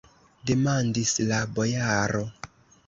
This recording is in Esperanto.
demandis la bojaro.